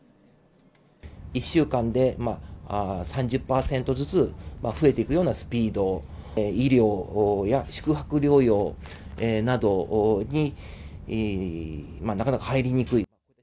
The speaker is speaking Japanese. １週間で３０％ずつ増えていくようなスピード、医療や宿泊療養などになかなか入りにくい。